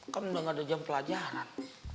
kan udah gak ada jam pelajaran